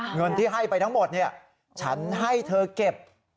เงินที่ให้ไปทั้งหมดเนี่ยฉันให้เธอเก็บ